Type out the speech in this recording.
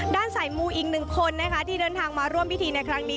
สายมูอีกหนึ่งคนนะคะที่เดินทางมาร่วมพิธีในครั้งนี้